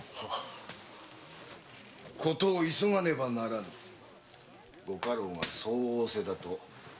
「ことを急がねばならぬ」ご家老がそう仰せだと伝えたはずだぞ。